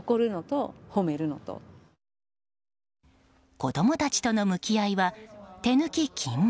子供たちとの向き合いは手抜き禁物。